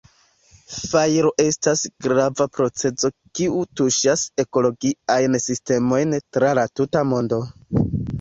Fajro estas grava procezo kiu tuŝas ekologiajn sistemojn tra la tuta mondo.